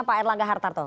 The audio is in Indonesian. pak erlangga hartarto